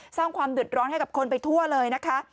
สร้างความเดือดร้อนให้กับคนไปทั่วเลยนะคะ